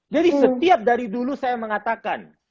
jadi setiap dari dulu saya mengatakan